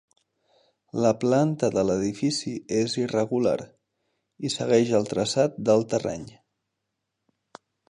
La planta de l'edifici és irregular, i segueix el traçat del terreny.